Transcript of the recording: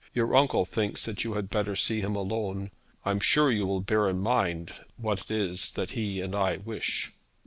'Your uncle thinks that you had better see him alone. I am sure you will bear in mind what it is that he and I wish.'